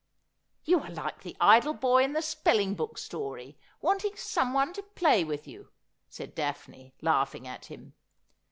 ' You are like the idle boy in the spelling book story, want ing someone to play with you,' said Daphne, laughing at him.